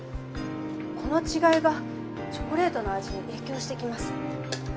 この違いがチョコレートの味に影響してきます。